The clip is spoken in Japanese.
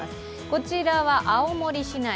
こちらは青森市内